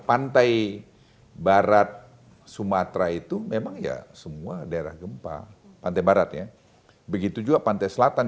pantai barat sumatera itu memang ya semua daerah gempa pantai barat ya begitu juga pantai selatan